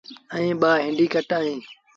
ائيٚݩ ٻآ اينڊيٚڪٽ اهيݩ۔